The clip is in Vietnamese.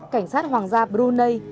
cảnh sát hoàng gia brunei